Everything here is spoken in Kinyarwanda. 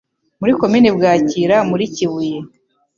muri Komini Bwakira muri Kibuye